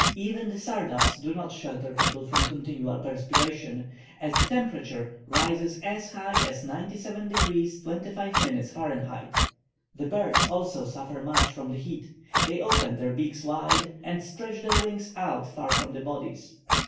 Even the sardabs do not shelter people from continual perspiration, as the temperature rises as high as 97 degrees 25' Fah. The birds also suffer much from the heat: they open their beaks wide, and stretch their wings out far from their bodies.